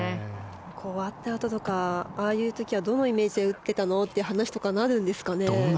終わったあととかあの時はどのイメージで打ってたの？って話になるんですかね。